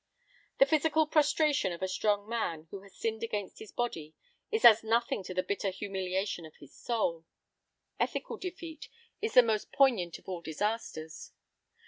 The physical prostration of a strong man who has sinned against his body is as nothing to the bitter humiliation of his soul. Ethical defeat is the most poignant of all disasters.